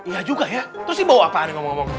iya juga ya terus ini bau apaan yang kamu ngomong